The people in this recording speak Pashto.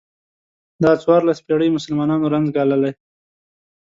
دا څوارلس پېړۍ مسلمانانو رنځ ګاللی.